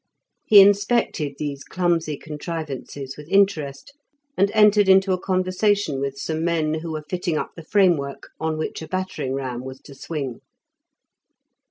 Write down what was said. He inspected these clumsy contrivances with interest, and entered into a conversation with some men who were fitting up the framework on which a battering ram was to swing.